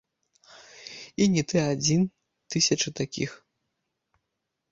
І не ты адзін, тысячы такіх.